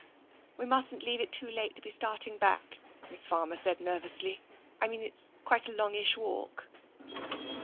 TENSION 43 " We mustn't leave it too late to be starting back/' Miss Farmer said nervously. " I mean, it's quite a longish walk."